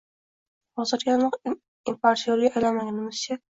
Hozirgi aniq importyorga aylanmagunimizcha